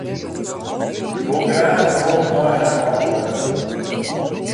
Hja wol graach werom nei har âldelju.